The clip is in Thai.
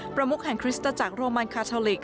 ประมุกแห่งคริสตจักรโรมันคาทอลิก